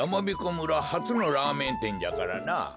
村はつのラーメンてんじゃからな。